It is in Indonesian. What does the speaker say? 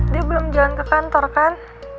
dia belum jalan ke kantor kan